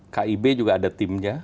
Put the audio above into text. kib juga ada timnya